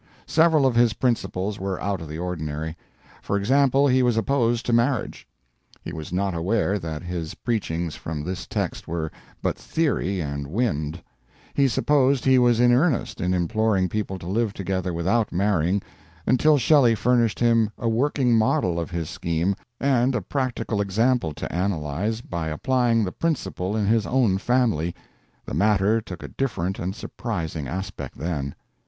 Several of his principles were out of the ordinary. For example, he was opposed to marriage. He was not aware that his preachings from this text were but theory and wind; he supposed he was in earnest in imploring people to live together without marrying, until Shelley furnished him a working model of his scheme and a practical example to analyze, by applying the principle in his own family; the matter took a different and surprising aspect then.